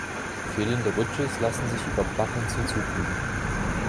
Fehlende Widgets lassen sich über Plug-Ins hinzufügen.